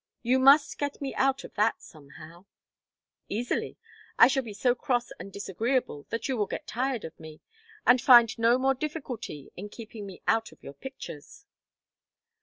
You must get me out of that somehow." "Easily. I shall be so cross and disagreeable that you will get tired of me, and find no more difficulty in keeping me out of your pictures."